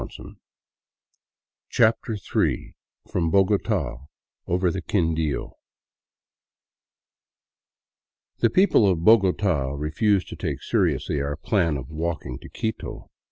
38 CHAPTER III FROM BOGOTA OVER THE QUINDIO THE people of Bogota refused to take seriously our plan of walking to Quito.